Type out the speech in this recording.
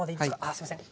あすいません。